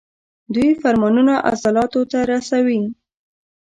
دوی فرمانونه عضلاتو ته رسوي.